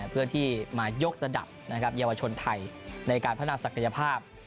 เพื่อที่มายกระดับเยาวชนไทยในการพัฒนาศักยภาพ